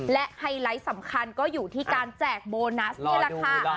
และไฮไลท์สำคัญก็อยู่ที่การแจกโบนัสนี่แหละค่ะ